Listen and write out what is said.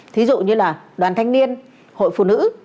thí dụ như là đoàn thanh niên hội phụ nữ